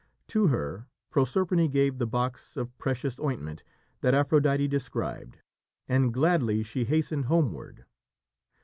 To her Proserpine gave the box of precious ointment that Aphrodite described, and gladly she hastened homeward.